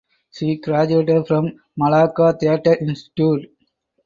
She graduated from Malaga Theatre Institute.